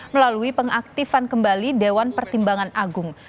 melalui pengaktifan kembali dewan pertimbangan agung